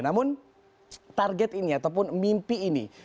namun target ini ataupun mimpi ini